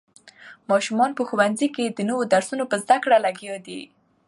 ماشومان په ښوونځي کې د نوو درسونو په زده کړه لګیا دي.